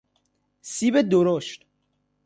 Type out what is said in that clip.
سیب درشت